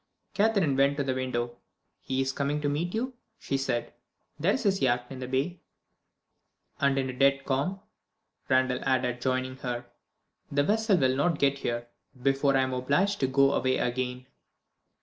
Catherine went to the window. "He is coming to meet you," she said. "There is his yacht in the bay." "And in a dead calm," Randal added, joining her. "The vessel will not get here, before I am obliged to go away again."